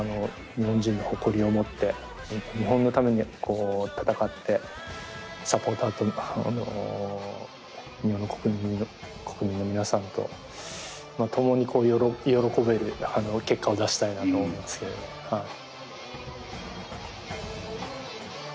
日本人の誇りを持って日本のために戦ってサポーターと日本の国民の皆さんと共に喜べる結果を出したいなと思いますけれどはい。